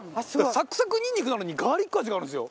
サクサクにんにくなのにガーリック味があるんですよ。